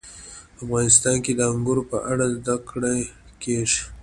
افغانستان کې د انګور په اړه زده کړه کېږي.